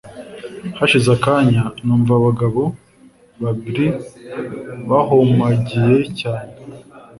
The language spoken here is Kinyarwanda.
hashize akanya numva abagabo babriri bahumagiye cyane